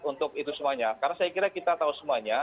untuk itu semuanya karena saya kira kita tahu semuanya